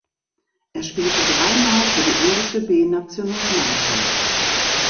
Er spielte dreimal für die englische B-Nationalmannschaft.